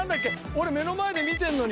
俺目の前で見てんのに。